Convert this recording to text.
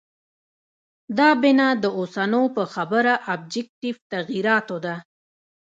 دا بنا د اوسنو په خبره آبجکټیف تغییراتو ده.